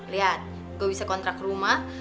lihat gue bisa kontrak rumah